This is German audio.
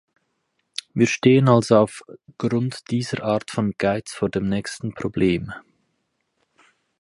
Wir stehen also auf Grund dieser Art von Geiz vor dem nächsten Problem.